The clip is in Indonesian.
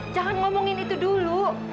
jangan ngomongin itu dulu